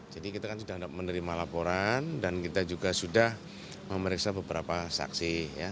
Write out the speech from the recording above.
jadi kita kan sudah menerima laporan dan kita juga sudah memeriksa beberapa saksi